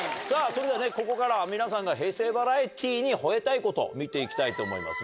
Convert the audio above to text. それではね、ここからは皆さんが平成バラエティーに吠えたいこと、見ていきたいと思います。